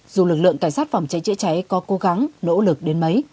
dù lực lượng cảnh sát phòng cháy chữa cháy có cố gắng nỗ lực đến mấy